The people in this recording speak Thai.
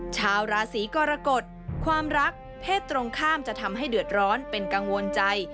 ชาวราศีกรกฎความรักเพศตรงข้ามจะทำให้เดือดร้อนเป็นกังวลใจ